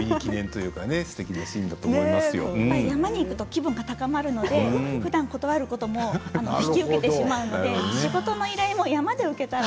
山に行くと気分が高まるのでふだん断ることも引き受けてしまって仕事の依頼を山で受けたら。